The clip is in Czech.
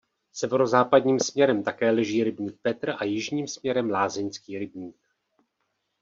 Severozápadním směrem také leží rybník Petr a jižním směrem Lázeňský rybník.